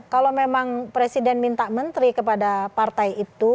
kalau memang presiden minta menteri kepada partai itu